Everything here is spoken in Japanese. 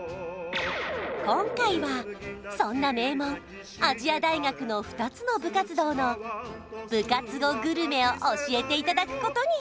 今回はそんな名門亜細亜大学の２つの部活動の部活後グルメを教えていただくことに！